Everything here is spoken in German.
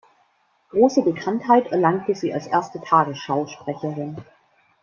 Große Bekanntheit erlangte sie als erste Tagesschau-Sprecherin.